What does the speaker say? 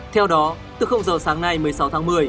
theo đó từ giờ sáng nay một mươi sáu tháng một mươi